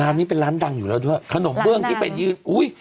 นี้เป็นร้านดังอยู่แล้วด้วยขนมเบื้องที่ไปยืนอุ้ย